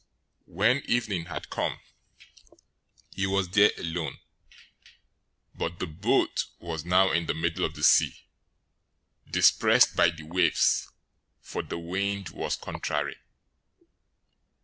When evening had come, he was there alone. 014:024 But the boat was now in the middle of the sea, distressed by the waves, for the wind was contrary.